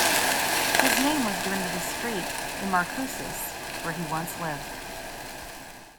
His name was given to the street in Marcoussis where he once lived.